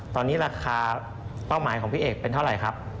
ตอนนี้ราคาเป้าหมายของพี่เอกเป็นเท่าไหร่ครับ